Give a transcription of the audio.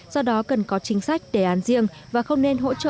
do đó cần có chính sách đề án riêng và không nên hỗ trợ trực tiếp